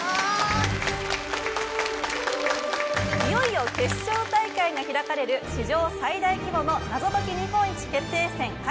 いよいよ決勝大会が開かれる史上最大規模の『謎解き日本一決定戦Ｘ』。